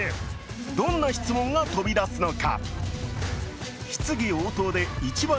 どんな質問が飛び出すのか。